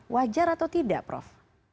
wajar atau tidak prof